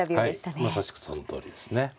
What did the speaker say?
まさしくそのとおりですね。